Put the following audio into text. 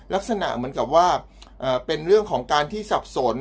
ลักษณะเหมือนกับว่าเป็นเรื่องของการที่สับสน